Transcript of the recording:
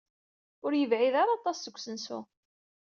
Ur yebɛid ara aṭas seg usensu.